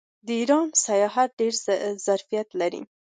د ایران سیاحت ډیر ظرفیت لري.